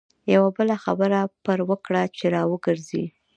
یوه بله خبره پر وکړه چې را وګرځي.